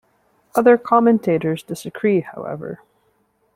Other commentators disagree however.